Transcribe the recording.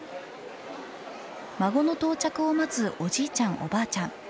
孫の到着を待つおじいちゃん、おばあちゃん。